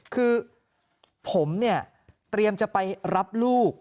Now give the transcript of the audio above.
คือผมเนี่ยเตรียมจะไปรับลูก